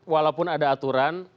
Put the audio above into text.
walaupun ada aturan